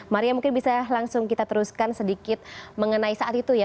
maria mungkin bisa langsung kita teruskan sedikit mengenai saat itu ya